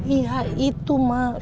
iya itu mak